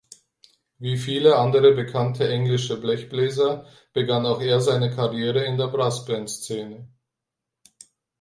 Wie viele andere bekannte englische Blechbläser begann auch er seine Karriere in der Brass-Band-Szene.